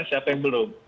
siapa yang belum